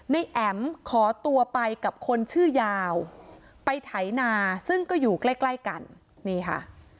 แอ๋มขอตัวไปกับคนชื่อยาวไปไถนาซึ่งก็อยู่ใกล้ใกล้กันนี่ค่ะ